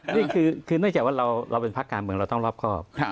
นี่คือเนื่องจากว่าเราเป็นภาคการเมืองเราต้องรอบครอบ